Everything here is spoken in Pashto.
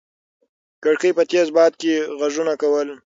کړکۍ په تېز باد کې غږونه کول.